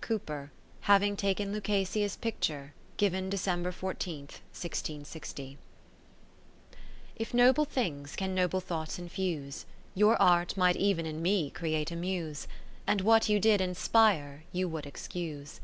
Cooper, having taken Lucasia's Picture given December 14, 1660 I If noble things can noble thoughts infuse, Your art might ev'n in me create a Muse, And what you did inspire, you would excuse.